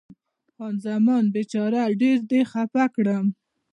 خان زمان: بیچاره، ډېر دې خفه کړم.